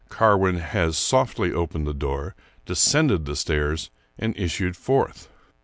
Carwin has softly opened the door, descended the stairs, and issued forth.